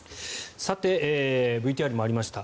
ＶＴＲにもありました